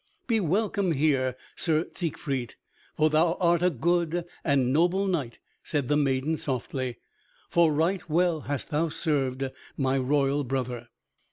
"Be welcome here, Sir Siegfried, for thou art a good and noble knight," said the maiden softly, "for right well hast thou served my royal brother."